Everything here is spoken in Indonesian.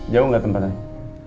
jauh gak tempatnya